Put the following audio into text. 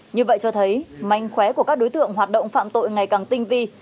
như vậy cho thấy mánh khóe của các đối tượng hoạt động phạm tội ngày càng tinh vi